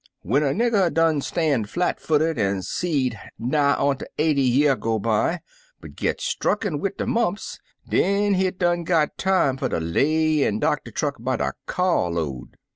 When er nigger what done stan' flat footed an' seed nigh outer eighty year go by git strucken wid dc mumps, den hit done got time fer ter lay m doctor truck by de kyar load.